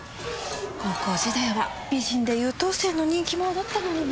高校時代は美人で優等生の人気者だったのにね。